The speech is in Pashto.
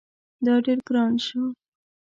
دا ډیر ګران شو